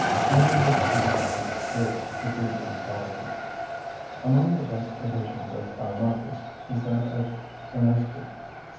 Many of his epigrams grace the 'Greek Anthology.' Among the best editions of Callimachus is that of Ernesti (1761).